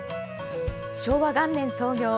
昭和元年創業。